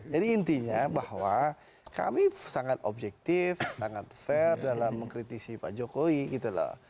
jadi intinya bahwa kami sangat objektif sangat fair dalam mengkritisi pak jokowi gitu loh